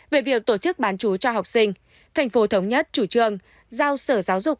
về việc tổ chức bán chú cho học sinh tp thống nhất chủ trương giao sở giáo dục